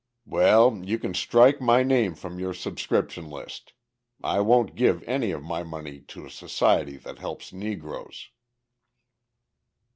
"Well, you can strike my name from your subscription list. I won't give any of my money to a society that helps Negroes."